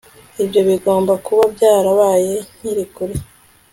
Ibyo bigomba kuba byarabaye nkiri kure